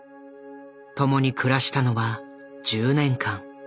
共に暮らしたのは１０年間。